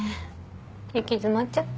行き詰まっちゃった？